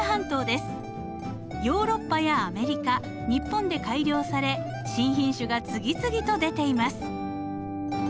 ヨーロッパやアメリカ日本で改良され新品種が次々と出ています。